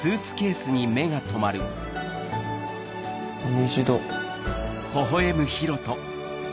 虹だ。